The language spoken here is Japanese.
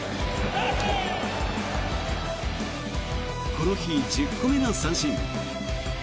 この日１０個目の三振。